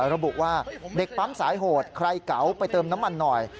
ระบุว่าเด็กปั๊มสายโหดใครเก๋าไปเติมน้ำมันหน่อย